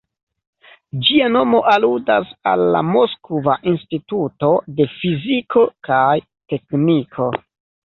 Ĝia nomo aludas al la Moskva Instituto de Fiziko kaj Tekniko.